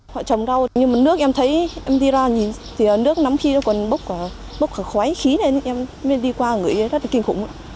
họ trồng rau nhưng mà nước em thấy em đi ra nhìn thì nước nắm khí nó còn bốc khói khí lên em đi qua ngửi rất là kinh khủng